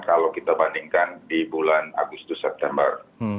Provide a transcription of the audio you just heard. kalau kita bandingkan di bulan agustus september